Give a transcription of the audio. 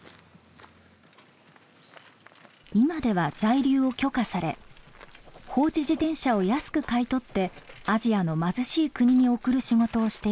今では在留を許可され放置自転車を安く買い取ってアジアの貧しい国に送る仕事をしています。